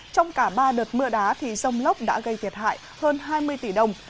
trong cả ba đợt mưa đá thì rông lốc đã gây thiệt hại hơn hai mươi tỷ đồng